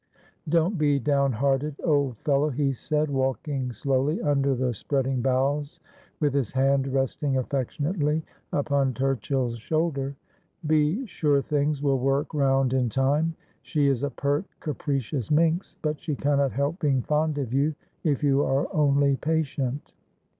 ' Don't be down hearted, old fellow,' he said, walking slowly under the spreading boughs, with his hand resting afEectionately upon Turchill's shoulder. ' Be sure things will work round in time. She is a pert capricious minx ; but she cannot help being fond of you, if you are only patient.'